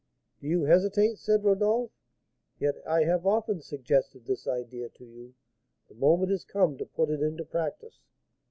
"Do you hesitate?" said Rodolph. "Yet I have often suggested this idea to you; the moment is come to put it into practice."